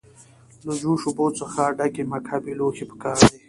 له جوش اوبو څخه ډک مکعبي لوښی پکار دی.